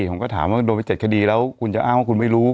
ผมก็ถามว่าโดนไป๗คดีแล้วคุณจะอ้างว่าคุณไม่รู้